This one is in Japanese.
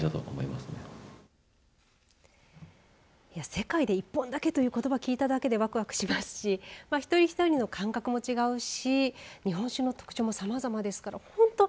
世界で１本だけということばを聞いただけでわくわくしますし一人一人の感覚も違うし日本酒の特徴もさまざまですから本当